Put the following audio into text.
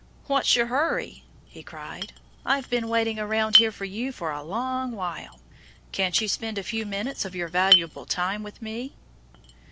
"What's your hurry?" he cried. "I've been waiting around here for you for a long while. Can't you spend a few moments of your valuable time with me!"